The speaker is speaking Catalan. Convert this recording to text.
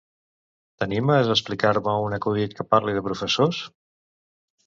T'animes a explicar-me un acudit que parli de professors?